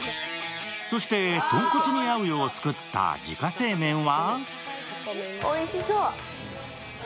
そして、豚骨に合うよう作った自家製麺は？